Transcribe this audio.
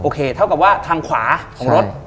เท่ากับว่าทางขวาของรถ